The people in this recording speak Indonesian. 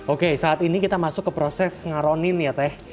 oke saat ini kita masuk ke proses ngaronin ya teh